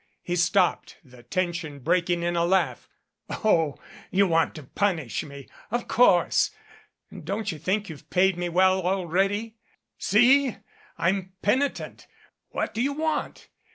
He stopped, the tension break ing in a laugh. "Oh, you want to punish me, of course. Don't you think you've paid me well already? See! I'm penitent. What do you want?